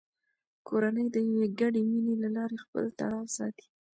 کورنۍ د یوې ګډې مینې له لارې خپل تړاو ساتي